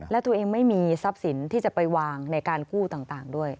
และตัวเองไม่มีทรัพย์สินที่จะไปวางในการกู้ต่างด้วย